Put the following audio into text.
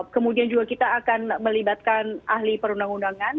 kemudian juga kita akan melibatkan ahli perundang undangan